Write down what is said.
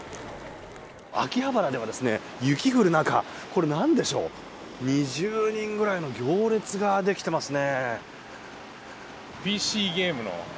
秋葉原では雪降る中何でしょうか２０人ぐらいの行列ができていますね。